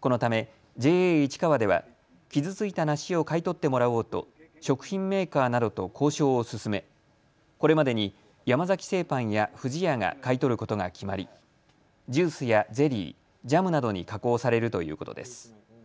このためＪＡいちかわでは傷ついた梨を買い取ってもらおうと食品メーカーなどと交渉を進めこれまでに山崎製パンや不二家が買い取ることが決まりジュースやゼリー、ジャムなどに加工されるということです。